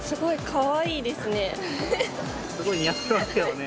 すごい似合ってますよね。